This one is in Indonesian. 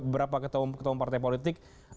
berapa ketemu ketemu partai politik